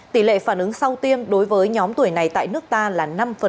tỷ lệ phản ứng sau tiêm đối với nhóm tuổi này tại nước ta là năm